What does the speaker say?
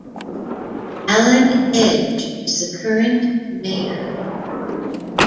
Allen Edge is the current mayor.